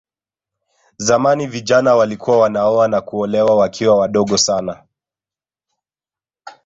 Zamani vijana walikuwa wanaoa na kuolewa wakiwa wadogo sana